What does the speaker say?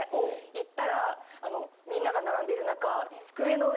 行ったらみんなが並んでる中。